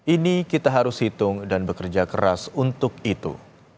ini kita harus hitung dan bekerja keras untuk itu